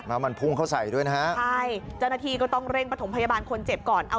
แล้วมันพุ่งเข้าใส่ด้วยนะฮะ